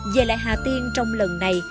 về lại hà tiên trong lần này